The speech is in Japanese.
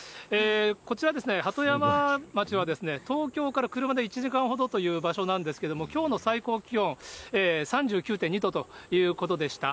こちら、鳩山町は東京から車で１時間ほどという場所なんですけれども、きょうの最高気温、３９．２度ということでした。